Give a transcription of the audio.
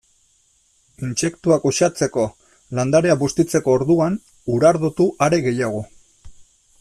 Intsektuak uxatzeko landarea bustitzeko orduan, urardotu are gehiago.